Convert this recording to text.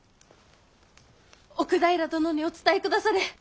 奥平殿にお伝えくだされ。